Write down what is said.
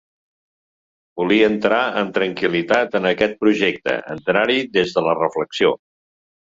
Volia entrar amb tranquil·litat en aquest projecte, entrar-hi des de la reflexió.